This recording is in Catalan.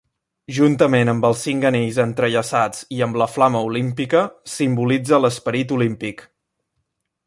Juntament amb els cinc anells entrellaçats i amb la flama Olímpica, simbolitza l'esperit olímpic.